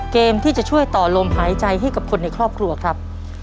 เกมที่จะช่วยต่อลมหายใจให้กับคนในครอบครัวครับ